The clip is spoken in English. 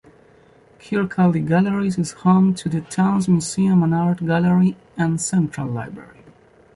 Kirkcaldy Galleries is home to the town's museum and art gallery and central library.